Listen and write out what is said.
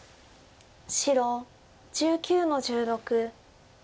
白１９の十六。